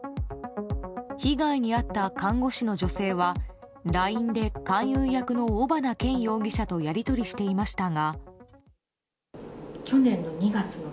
被害に遭った看護師の女性はＬＩＮＥで勧誘役の尾花研容疑者とやり取りしていましたが。